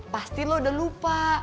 pasti lo udah lupa